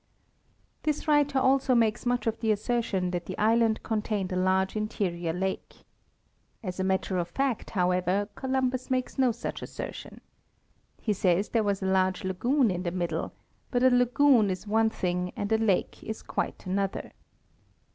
This writer also makes much of the assertion that the island contained a large interior lake. As a matter of fact, however, Columbus makes no such assertion. He says there was a large lagoon in the middle; but a lagoon is one thing and a lake is quite another.